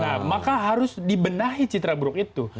nah maka harus dibenahi citra buruk itu